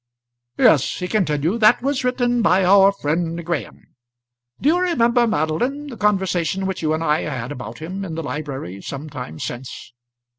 "Yes," he continued, "that was written by our friend Graham. Do you remember, Madeline, the conversation which you and I had about him in the library some time since?"